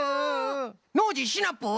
ノージーシナプー！